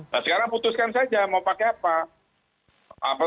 nah sekarang putuskan saja mau pakai apa